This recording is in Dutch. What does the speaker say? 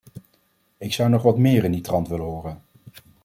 Ik zou nog wat meer in die trant willen horen.